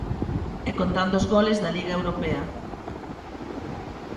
E contando os goles da Liga Europea.